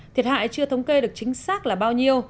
thiệt hại chưa thống kê được chính xác là bao nhiêu